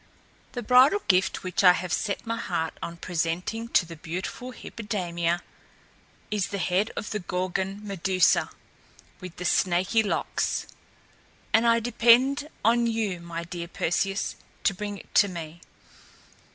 "The bridal gift which I have set my heart on presenting to the beautiful Hippodamia is the head of the Gorgon Medusa with the snaky locks; and I depend on you, my dear Perseus, to bring it to me.